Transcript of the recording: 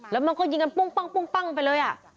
แล้วมันก็ยิงกันปุ้งปั้งไปเลย